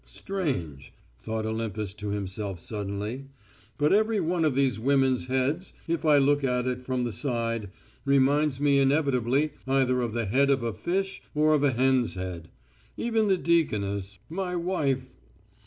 "Strange," thought Olympus to himself suddenly, "but every one of these women's heads, if I look at it from the side, reminds me inevitably either of the head of a fish or of a hen's head. Even the deaconess, my wife...."